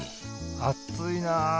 あっついな。